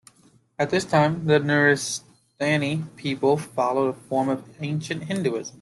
At this time, the Nuristani peoples followed a form of ancient Hinduism.